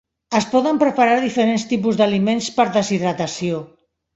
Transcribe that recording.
Es poden preparar diferents tipus d"aliments per deshidratació.